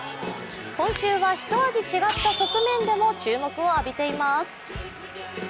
今週はひと味違った側面でも注目を浴びています。